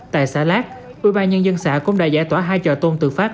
tại xã lát ủy ban nhân dân xã cũng đã giải tỏa hai trò tôn tự phát